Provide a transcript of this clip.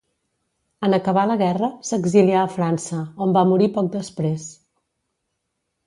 En acabar la guerra s'exilià a França, on va morir poc després.